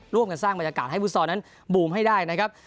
ร่วมกันสร้างบรรยากาศให้พุธสอนนั้นบูมให้ได้นะครับ